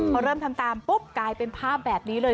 พอเริ่มทำตามปุ๊บกลายเป็นภาพแบบนี้เลย